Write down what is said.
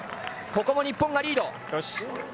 ここも日本がリード。